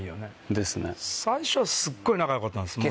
最初はすっごい仲良かったんです。